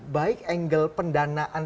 baik angle pendanaan